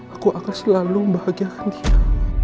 aku akan selalu bahagia dengan dia